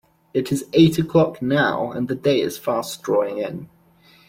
It is eight o'clock now, and the day is fast drawing in.